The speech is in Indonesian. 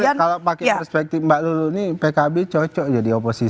ya kalau pakai perspektif mbak lulu ini pkb cocok jadi oposisi